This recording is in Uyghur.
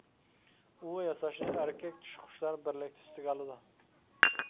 ئۇۋا ياساشنى ئەركەك-چىشى قۇشلار بىرلىكتە ئۈستىگە ئالىدۇ.